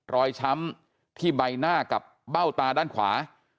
ช้ำที่ใบหน้ากับเบ้าตาด้านขวา